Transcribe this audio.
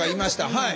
はい。